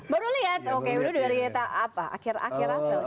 baru lihat oke dulu dari apa akhir akhir apa